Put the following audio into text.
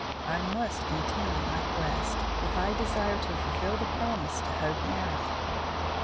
I must continue my quest, if I desired to fulfil my promise to Hope Meredith.